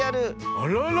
あらら！